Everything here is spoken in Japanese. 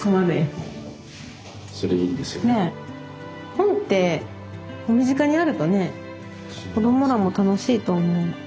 本って身近にあるとね子供らも楽しいと思う。